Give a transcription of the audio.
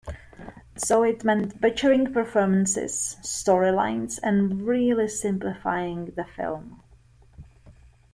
So it meant butchering performances, storylines, and really simplifying the film.